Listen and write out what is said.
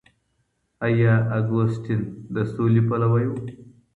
آیا اګوستین د سولي پلوی و؟